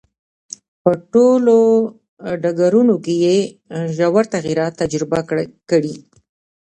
په ټولو ډګرونو کې یې ژور تغییرات تجربه کړي.